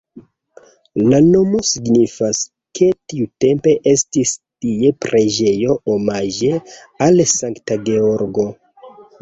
La nomo signifas, ke tiutempe estis tie preĝejo omaĝe al Sankta Georgo.